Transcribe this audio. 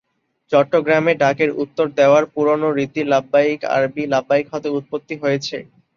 চট্টগ্রামে ডাকের উত্তর দেওয়ার পুরানো রীতি ‘লাববাই’ আরবি ‘লাববাইক’ হতে উৎপত্তি হয়েছে।